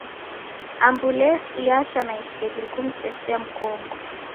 Ambulesi yacha na iseghe kumtesia mkongo.